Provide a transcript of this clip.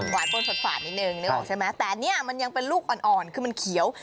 บนฝาดนิดนึงนึกออกใช่ไหมแต่เนี่ยมันยังเป็นลูกอ่อนคือมันเขียว